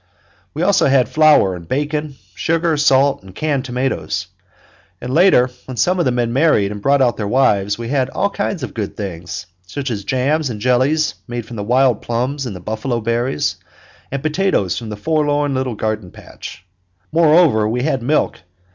We also had flour and bacon, sugar, salt, and canned tomatoes. And later, when some of the men married and brought out their wives, we had all kinds of good things, such as jams and jellies made from the wild plums and the buffalo berries, and potatoes from the forlorn little garden patch. Moreover, we had milk.